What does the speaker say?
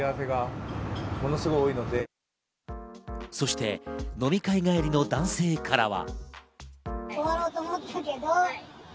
そして飲み会帰りの男性からは。